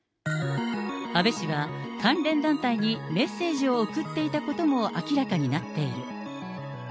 安倍氏は関連団体にメッセージを送っていたことも明らかになっている。